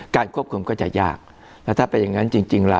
ควบคุมก็จะยากแล้วถ้าเป็นอย่างนั้นจริงจริงแล้ว